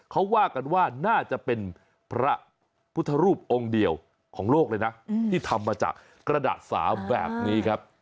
เขาว่ากันว่าน่าจะเป็นพระพุทธรูปองค์เดียวของโลกเลยนะที่ทำมาจากกระดาษสาวแบบนี้ครับ